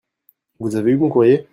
Vous avez eu mon courrier ?